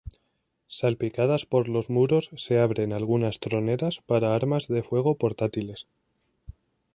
Salpicadas por los muros se abren algunas troneras para armas de fuego portátiles.